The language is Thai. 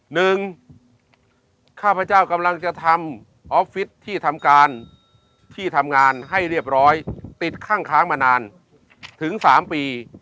หนึ่งข้าพเจ้ากำลังจะทำออฟฟิศที่ทำงานให้เรียบร้อยติดข้างค้างมานานถึง๓ปี